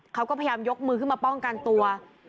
เขาก็พยายามยกมือขึ้นมาป้องกันตัว